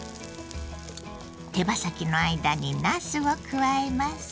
手羽先の間になすを加えます。